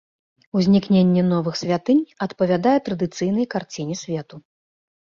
Узнікненне новых святынь адпавядае традыцыйнай карціне свету.